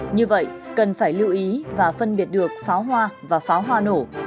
như vậy cần phải lưu ý và phân biệt được pháo hoa và pháo hoa nổ